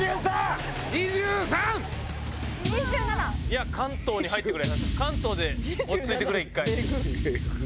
いや関東に入ってくれないと関東で落ち着いてくれ一回。